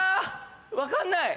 分かんない！